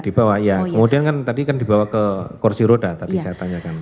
di bawah iya kemudian kan tadi dibawa ke kursi roda tadi saya tanyakan